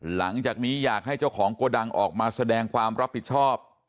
หลังจากนี้อยากให้เจ้าของโกดังออกมาแสดงความรับผิดชอบ